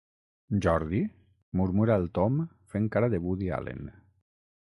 Jordi? –murmura el Tom fent cara de Woody Allen.